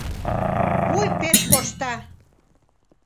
Вуй пеш коршта».